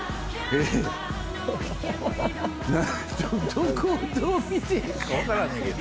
どこをどう見ていいか分からんねんけど。